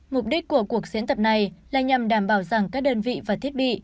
mục đích của cuộc diễn tập này là nhằm đảm bảo rằng các đơn vị và thiết bị